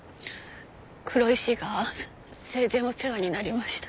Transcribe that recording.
黒石が生前お世話になりました。